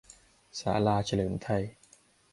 ศาลาเฉลิมไทย